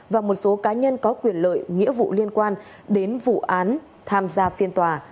và một số cá nhân có quyền lợi nghĩa vụ liên quan đến vụ án tham gia phiên tòa